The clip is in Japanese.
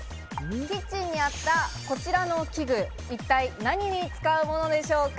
キッチンにあったこちらの器具、一体何に使うものでしょうか？